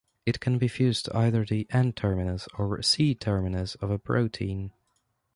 It can be fused to either the N-terminus or C-terminus of a protein.